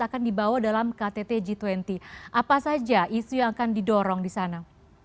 akan dibawa dalam ktt g dua puluh apa saja isu yang akan didorong di sana